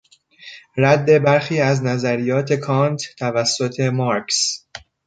رد برخی از نظریات کانت توسط مارکس